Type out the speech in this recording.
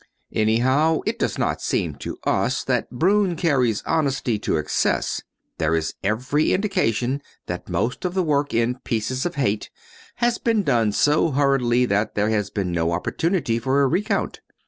Anyhow, it does not seem to us that Broun carries honesty to excess. There is every indication that most of the work in "Pieces of Hate" has been done so hurriedly that there has been no opportunity for a recount.